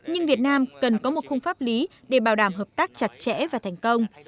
nhưng việt nam cần có một khung pháp lý để bảo đảm hợp tác chặt chẽ và thành công